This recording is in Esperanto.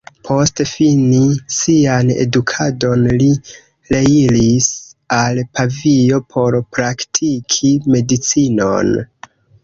Post fini sian edukadon li reiris al Pavio por praktiki medicinon.